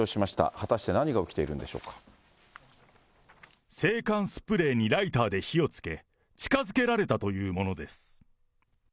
果たして何が起きているんでしょ制汗スプレーにライターで火をつけ、近づけられたというものです。